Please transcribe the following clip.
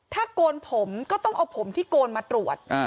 ถ้าโกนผมก็ต้องเอาผมที่โกนมาตรวจ